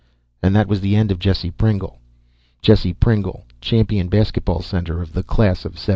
_ And that was the end of Jesse Pringle. Jesse Pringle, champion basketball center of the Class of '79....